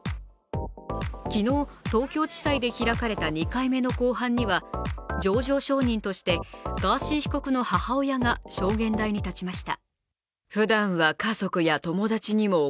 昨日、東京地裁で開かれた２回目の公判には情状証人としてガーシー被告の母親が証言台に立ちました。